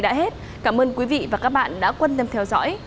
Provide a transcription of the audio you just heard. đã hết cảm ơn quý vị và các bạn đã quan tâm theo dõi